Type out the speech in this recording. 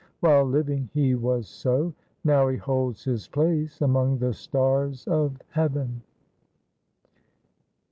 While living, he was so. Now he holds his place among the stars of heaven."